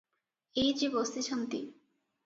ଏଇ ଯେ ବସିଛନ୍ତି ।